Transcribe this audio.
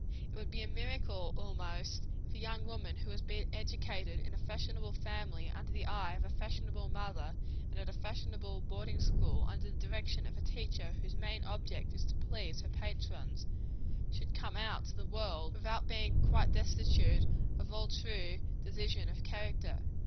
It would be a miracle, almost, if a young woman who has been educated in a fashionable family, under the eye of a fashionable mother, and at a fashionable boarding school, under the direction of a teacher whose main object is to please her patrons, should come out to the world, without being quite destitute of all true decision of character.